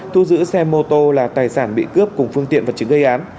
thu giữ xe mô tô là tài sản bị cướp cùng phương tiện vật chứng gây án